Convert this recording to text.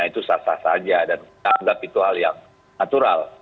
itu sah sah saja dan kita anggap itu hal yang natural